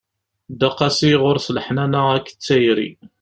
Dda qasi, ɣur-s leḥnana akked tayri.